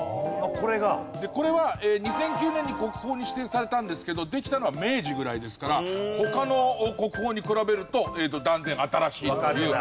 これは２００９年に国宝に指定されたんですけどできたのは明治ぐらいですから他の国宝に比べると断然新しいという。